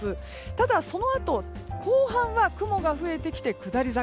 ただ、そのあと後半は雲が増えてきて下り坂。